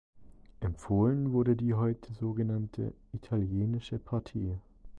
Empfohlen wurde die heute so genannte Italienische Partie.